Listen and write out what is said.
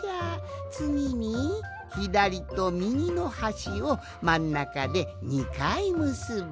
つぎにひだりとみぎのはしをまんなかで２かいむすぶ。